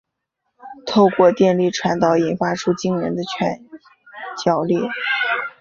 透过电力传导引发出惊人的拳脚力。